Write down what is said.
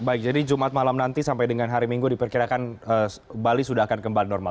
baik jadi jumat malam nanti sampai dengan hari minggu diperkirakan bali sudah akan kembali normal